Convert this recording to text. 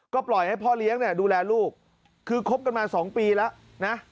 ก็ปล่อยให้พ่อเลี้ยงเนี่ยดูแลลูกคือคบกันมา๒ปีแล้วนะ